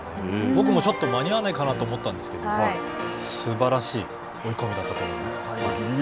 僕もちょっと間に合わないかなと思ったんですけど、すばらしい追い込みだったと思います。